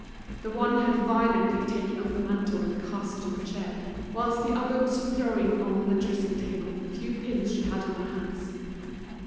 The one had violently taken off the mantle and cast it on a chair, whilst the other was throwing oil the dressing table the few pins she had in her hands.